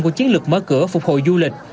của chiến lược mở cửa phục hồi du lịch